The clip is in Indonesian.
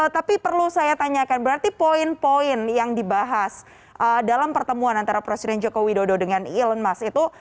tapi perlu saya tanyakan berarti poin poin yang dibahas dalam pertemuan antara presiden joko widodo dengan elon musk itu